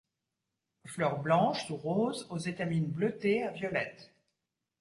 Fleurs blanches ou roses, aux étamines bleutées à violettes.